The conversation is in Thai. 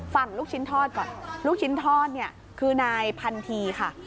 ลูกชิ้นทอดก่อนลูกชิ้นทอดเนี่ยคือนายพันธีค่ะ